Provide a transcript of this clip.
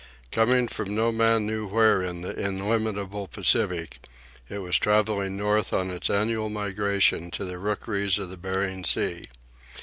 Coming from no man knew where in the illimitable Pacific, it was travelling north on its annual migration to the rookeries of Bering Sea.